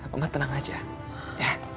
mama tenang aja ya